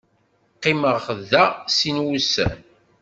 Qqimeɣ da sin wussan.